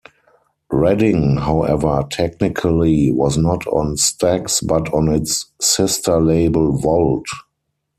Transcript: Redding, however, technically was not on Stax, but on its sister label Volt.